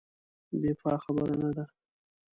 دفاع خبره نه ده.